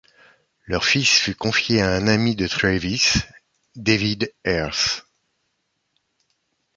Leur fils fut confié à un ami de Travis, David Ayres.